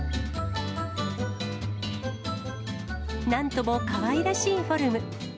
なんともかわいらしいフォルム。